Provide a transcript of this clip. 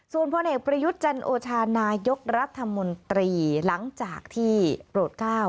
ส่วนพลเอกประยุทธ์จันโอชานายกรัฐมนตรีหลังจากที่โปรดก้าว